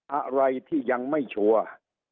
อะไรที่ยังไม่ชัวร์